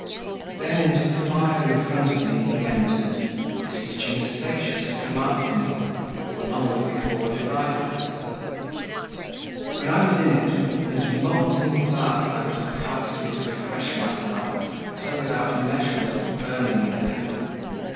Then into the fire in front of me he entered, Beseeching Statius to come after me, Who a long way before divided us. When I was in it, into molten glass I would have cast me to refresh myself, So without measure was the burning there!